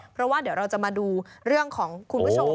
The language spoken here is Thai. เพราะว่าเดี๋ยวเราจะมาดูเรื่องของคุณผู้ชม